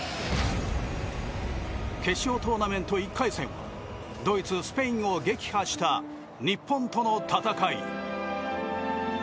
決勝トーナメント１回戦はドイツ、スペインを撃破した日本との戦い。